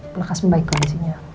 melekas pembaikan istrinya